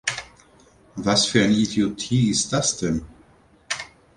Was für eine Idiotie ist das denn?